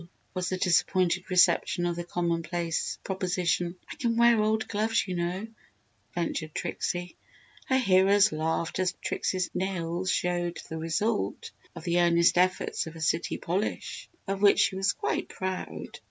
was the disappointed reception of the commonplace proposition. "I can wear old gloves, you know," ventured Trixie. Her hearers laughed as Trixie's nails still showed the result of the earnest efforts of a city polish, of which she was quite proud.